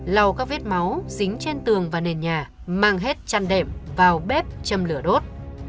lau các vết máu dính trên tường và nền nhà mang hết chăn đệm vào bếp châm lửa đốt